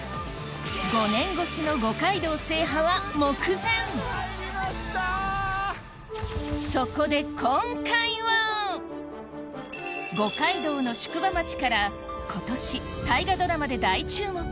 ５年越しのそこで今回は五街道の宿場町から今年大河ドラマで大注目